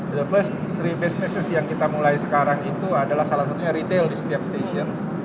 the first free business yang kita mulai sekarang itu adalah salah satunya retail di setiap stasiun